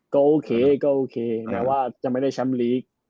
ก็โอเคก็โอเคแม้ว่าจะไม่ได้แชมป์ลีก